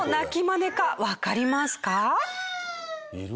いる？